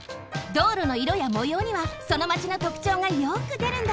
どうろのいろやもようにはそのマチのとくちょうがよくでるんだって！